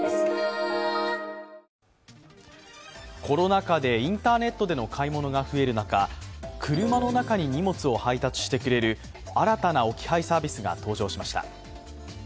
コロナ禍でインターネットでの買い物が増える中車の中に荷物を配達してくれる新たな置き配サービスが登場しました。